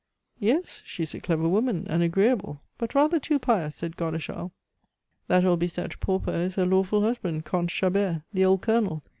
"Yes; she is a clever woman, and agreeable; but rather too pious," said Godeschal. "That old Bicetre pauper is her lawful husband, Comte Chabert, the old Colonel.